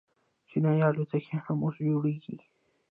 چیني الوتکې هم اوس جوړیږي.